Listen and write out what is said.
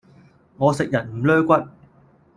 我食人唔 𦧲 骨